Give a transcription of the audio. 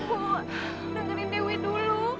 ibu dengerin dewi dulu